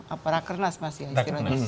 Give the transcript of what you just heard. apakah kernas mas ya